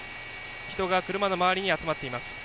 人が車の周りに集まっています。